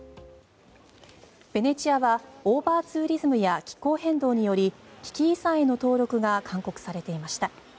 ベネチアはオーバーツーリズムや気候変動により危機遺産への登録が勧告されていました。